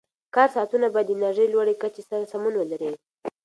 کار ساعتونه باید د انرژۍ لوړې کچې سره سمون ولري.